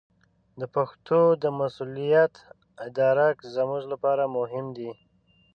د پښتو د مسوولیت ادراک زموږ لپاره مهم دی.